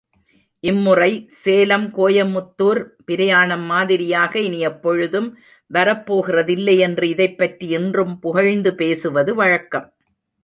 இம்முறை சேலம் கோயமுத்தூர் பிரயாணம் மாதிரியாக இனி எப்பொழுதும் வரப்போகிறதில்லை என்று இதைப்பற்றி இன்றும் புகழ்ந்து பேசுவது வழக்கம்.